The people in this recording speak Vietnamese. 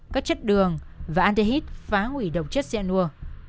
các chất đường và anti hit phá hủy độc chất xenua